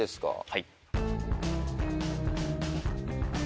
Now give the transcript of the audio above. はい。